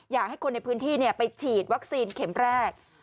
อยากให้คนในพื้นที่ไปฉีดวัคซีนเข็มแรก